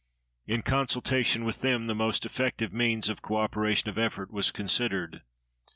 In consultation with them the most effective means of co operation of effort was considered.